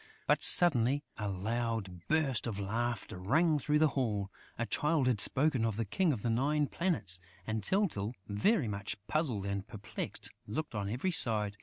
But, suddenly, a loud burst of laughter rang through the hall. A Child had spoken of the King of the Nine Planets; and Tyltyl, very much puzzled and perplexed, looked on every side.